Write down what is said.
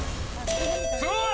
すごい！